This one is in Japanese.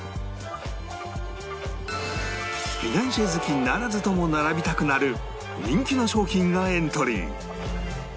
フィナンシェ好きならずとも並びたくなる人気の商品がエントリー